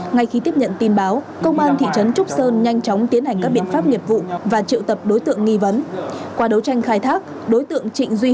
ngay khi tiếp nhận tin báo công an thị trấn trúc sơn nhanh chóng tiến hành các biện pháp nghiệp vụ và triệu tập đối tượng nghi vấn